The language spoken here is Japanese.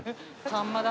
さんまだ。